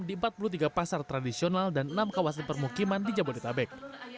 di empat puluh tiga pasar tradisional dan enam kawasan permukiman di jabodetabek